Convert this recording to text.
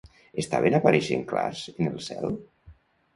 Estaven apareixent clars en el cel?